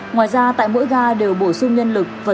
ngoài ra tại mỗi ga đều bổ sung nhân lực